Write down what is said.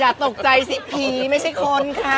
อย่าตกใจสิผีไม่ใช่คนค่ะ